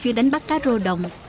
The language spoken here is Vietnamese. chuyên đánh bắt cá rô đồng